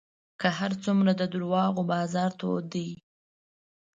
که هر څومره د دروغو بازار تود دی